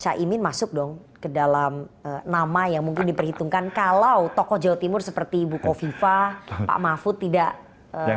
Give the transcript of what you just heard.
caimin masuk dong ke dalam nama yang mungkin diperhitungkan kalau tokoh jawa timur seperti buko viva pak mahfud tidak bisa